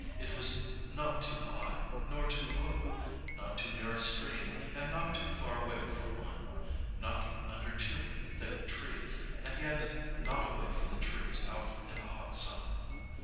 It was not too high nor too low, not too near a stream and not too far away from one, not under too thick trees and yet not away from the trees out in the hot sun.